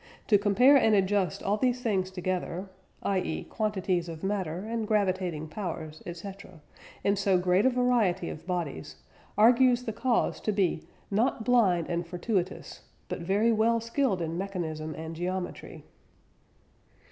To compare and adjust all these things together (i.e. quantities of matter and gravitating powers, etc.) in so great a variety of bodies, argues the cause to be not blind and fortuitous, but very well skilled in mechanism and geometry."